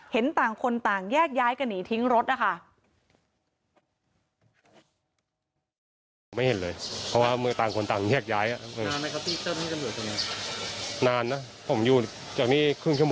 เห็นต่างคนต่างแยกย้ายกันหนีทิ้งรถนะคะ